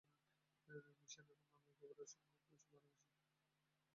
মিশেল এবং আমি একে অপরকে খুব ভালোবাসি।